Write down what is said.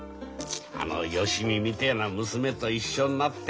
あの芳美みてえな娘と一緒になってよ